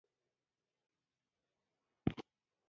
هغه بیرته واک ته ورسیده.